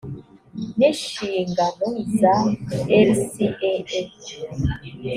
n inshingano za rcaa